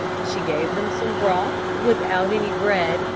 She gave them some broth without any bread.